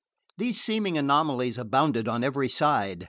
These seeming anomalies abounded on every side.